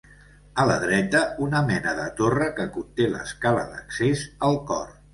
A la dreta una mena de torre que conté l'escala d'accés al cor.